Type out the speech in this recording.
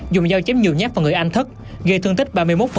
dùng dao chém nhiều nhát vào người anh thất gây thương tích ba mươi một